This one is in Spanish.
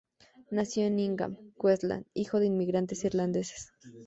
Nació en Ingham, Queensland, hijo de inmigrantes irlandeses.